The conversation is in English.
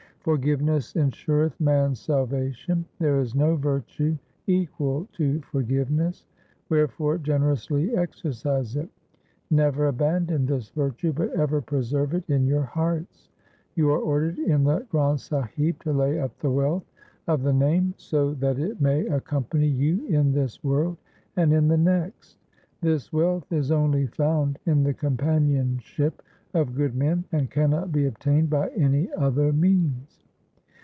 For giveness ensureth man's salvation. There is no virtue equal to forgiveness. Wherefore generously exercise it. Never abandon this virtue, but ever preserve it in your hearts. You are ordered in the Granth Sahib to lay up the wealth of the Name, so 336 THE SIKH RELIGION that it may accompany you in this world and in the next. This wealth is only found in the companion ship of good men, and cannot be obtained by any other means.